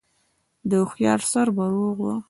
د هوښيار سر به روغ و